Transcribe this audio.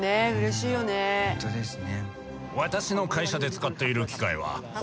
本当ですね。